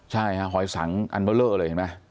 ใช่ฮะหอยสังอันเบอร์เลอร์เลยเห็นไหม